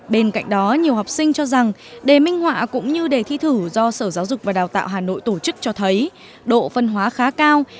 bên cạnh đó nhiều học sinh cho rằng đề minh họa cũng như đề thi thử do sở giáo dục và đào tạo hà nội tổ chức cho thấy độ phân hóa khá cao